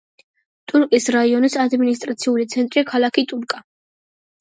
ტურკის რაიონის ადმინისტრაციული ცენტრია ქალაქი ტურკა.